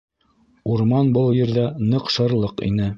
Урман был ерҙә ныҡ шырлыҡ ине.